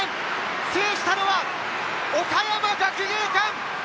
制したのは、岡山学芸館！